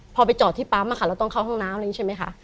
พอไปจอที่ป๊าปมาเราต้องเข้าห้องน้ำ